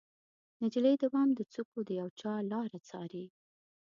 نجلۍ د بام د څوکو د یوچا لاره څارې